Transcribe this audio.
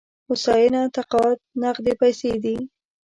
هوساینه تقاعد نغدې پيسې دي.